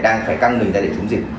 đang phải căng người ta để chống dịch